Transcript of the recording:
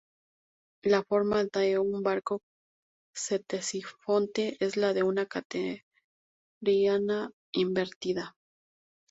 La forma de un arco ctesifonte es la de una catenaria invertida.